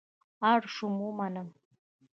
اړ شوم ومنم.